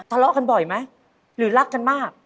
ทะเลาะกันบ่อยไหมหรือรักกันมาก